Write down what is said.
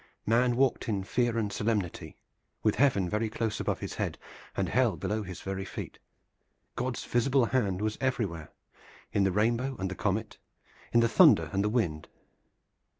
Man walked in fear and solemnity, with Heaven very close above his head, and Hell below his very feet. God's visible hand was everywhere, in the rainbow and the comet, in the thunder and the wind.